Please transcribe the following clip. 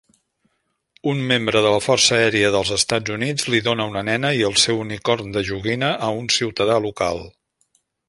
Un membre de la força aèria dels Estats Units li dona una nena i el seu unicorn de joguina a un ciutadà local